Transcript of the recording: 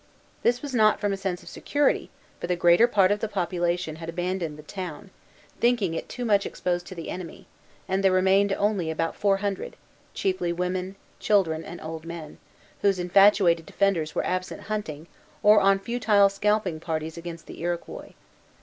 This was not from a sense of security; for the greater part of the population had abandoned the town, thinking it too much exposed to the enemy, and there remained only about four hundred, chiefly women, children, and old men, whose infatuated defenders were absent hunting, or on futile scalping parties against the Iroquois.